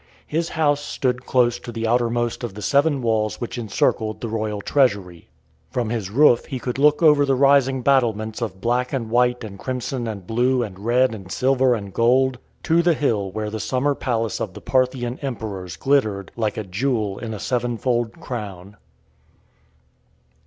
His house stood close to the outermost of the seven walls which encircled the royal treasury. From his roof he could look over the rising battlements of black and white and crimson and blue and red and silver and gold, to the hill where the summer palace of the Parthian emperors glittered like a jewel in a sevenfold crown.